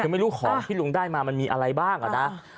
คือไม่รู้ของที่ลุงได้มามันมีอะไรบ้างอะนะ